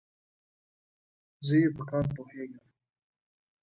زه ئې په کار پوهېږم.